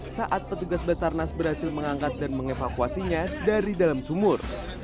saat petugas basarnas berhasil mengangkat dan mengevakuasinya dari dalam sumur